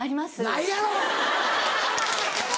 ないやろ！